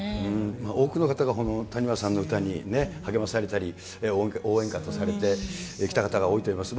多くの方が谷村さんの歌に励まされたり応援歌とされてきた方が多いと思います。